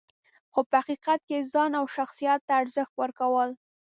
خو په حقیقت کې یې ځان او شخصیت ته ارزښت ورکول .